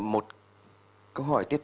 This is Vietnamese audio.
một câu hỏi tiếp tục